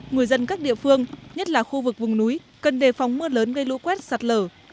người dân các địa phương nhất là khu vực vùng núi cần đề phòng mưa lớn gây lũ quét sạt lở